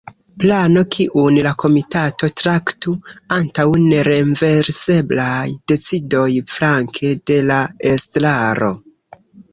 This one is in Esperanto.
Plano kiun la komitato traktu antaŭ nerenverseblaj decidoj flanke de la estraro.